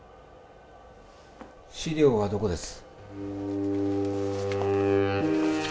資料はどこです？